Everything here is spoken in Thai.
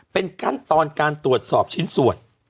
เป็นขั้นตอนการตรวจสอบชิ้นส่วน